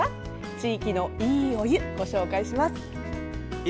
地域のいいお湯、ご紹介します。